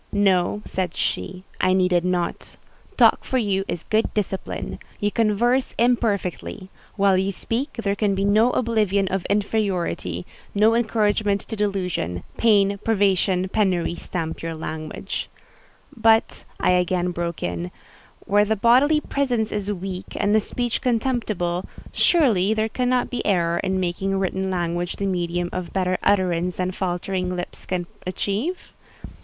"No," said she, "I needed not. Talk for you is good discipline. You converse imperfectly. While you speak, there can be no oblivion of inferiority—no encouragement to delusion: pain, privation, penury stamp your language…." "But," I again broke in, "where the bodily presence is weak and the speech contemptible, surely there cannot be error in making written language the medium of better utterance than faltering lips can achieve?"